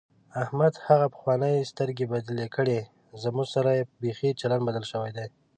احمد هغه پخوانۍ سترګې بدلې کړې، زموږ سره یې بیخي چلند بدل شوی دی.